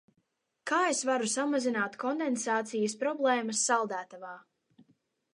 Kā es varu samazināt kondensācijas problēmas saldētavā?